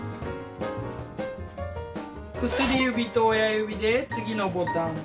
薬指と親指で次のボタン。